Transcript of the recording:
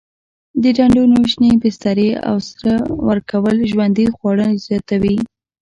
د ډنډونو شینې بسترې او سره ورکول ژوندي خواړه زیاتوي.